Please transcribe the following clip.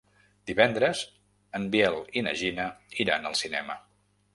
Divendres en Biel i na Gina iran al cinema.